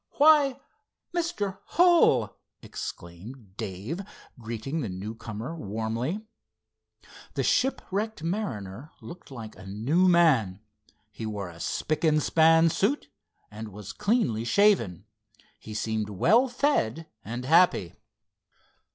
"Why, Mr. Hull!" exclaimed Dave, greeting the newcomer warmly. The shipwrecked mariner looked like a new man. He wore a spick and span suit, and was cleanly shaven. He seemed well fed and happy.